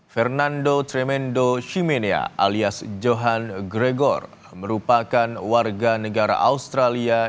fernando tremendo shimenea alias johan gregor merupakan warga negara australia